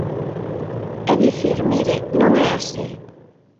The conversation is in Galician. É dicir, mire, non é así.